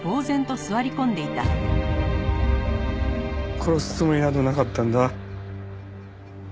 殺すつもりなどなかったんだ。